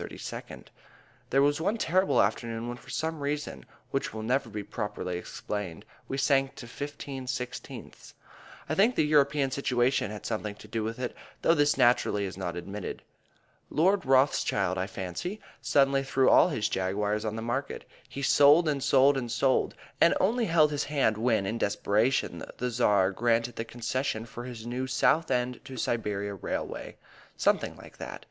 There was one terrible afternoon when for some reason which will never be properly explained we sank to 15/16. I think the European situation had something to do with it, though this naturally is not admitted. Lord Rothschild, I fancy, suddenly threw all his Jaguars on the market; he sold and sold and sold, and only held his hand when, in desperation, the Tsar granted the concession for his new Southend to Siberia railway. Something like that.